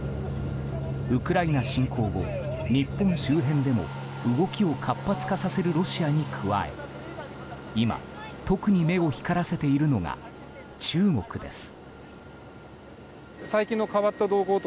ウクライナ侵攻後、日本周辺でも動きを活発化させるロシアに加え今、特に目を光らせているのが中国です。